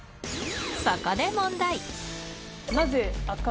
そこで問題。